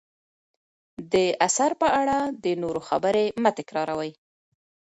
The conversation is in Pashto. د اثر په اړه د نورو خبرې مه تکراروئ.